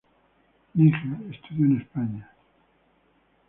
Níger estudió en España.